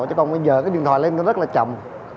chứ còn bây giờ cái điện thoại lên nó rất là chậm